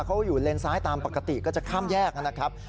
เขาอยู่เลนซ้ายตามปกติก็จะข้ามแยกนะครับ